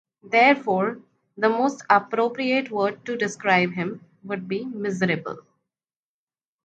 Therefore, the most appropriate word to describe him would be "miserable."